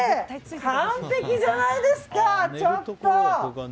完璧じゃないですか、ちょっと！